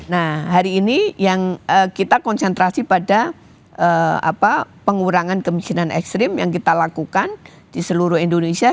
nah hari ini yang kita konsentrasi pada pengurangan kemiskinan ekstrim yang kita lakukan di seluruh indonesia